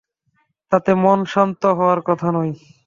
তাতে মন শান্ত হওয়ার কথা নয়।